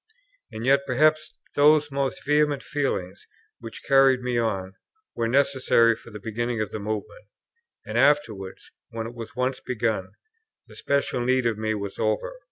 And yet perhaps those first vehement feelings which carried me on, were necessary for the beginning of the Movement; and afterwards, when it was once begun, the special need of me was over.